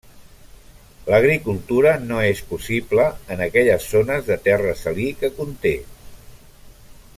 L'agricultura no és possible en aquelles zones de terra salí que conté.